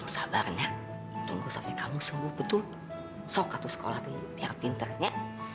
sabar nya tunggu sampai kamu sembuh betul sok atuh sekolah lagi biar pinter nya